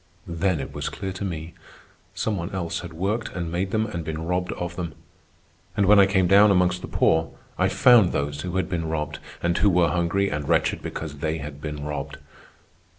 Then it was clear to me, some one else had worked and made them and been robbed of them. And when I came down amongst the poor I found those who had been robbed and who were hungry and wretched because they had been robbed."